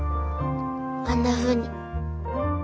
あんなふうに。